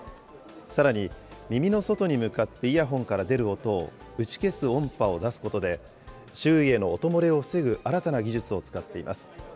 さらに、耳の外に向かってイヤホンから出る音を打ち消す音波を出すことで、周囲への音漏れを防ぐ新たな技術を使っています。